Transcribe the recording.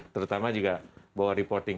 terutama juga bawa reporting